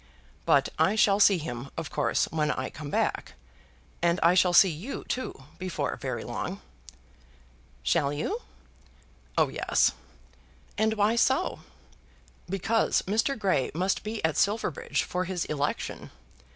But I shall see him, of course, when I come back. And I shall see you too before very long." "Shall you?" "Oh yes." "And why so?" "Because Mr. Grey must be at Silverbridge for his election.